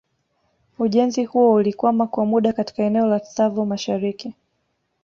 Ujenzi huo ulikwama kwa muda katika eneo la Tsavo mashariki